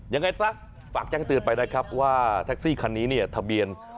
ยังไงซะฝากแจ้งเตือนไปนะครับว่าแท็กซี่คันนี้เนี่ยทะเบียน